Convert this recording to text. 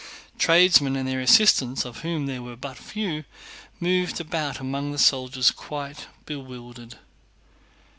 Tradesmen and their assistants (of whom there were but few) moved about among the soldiers quite bewildered.